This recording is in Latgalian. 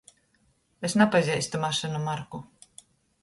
Es napazeistu mašynu marku.